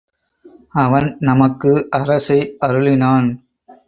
அவன் நமக்கு அரசை அருளினான்.